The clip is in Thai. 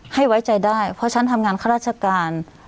ให้ไว้ใจได้เพราะฉันทำงานข้าราชการ